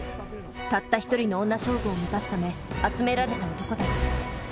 たった一人の女将軍を満たすため集められた男たち。